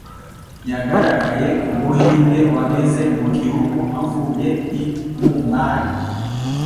Yagaragaye ku Muhinde wageze mu gihugu avuye i Mumbai.